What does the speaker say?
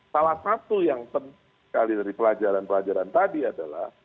salah satu yang penting sekali dari pelajaran pelajaran tadi adalah